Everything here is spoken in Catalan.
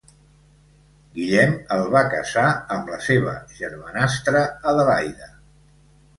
Guillem el va casar amb la seva germanastra Adelaida.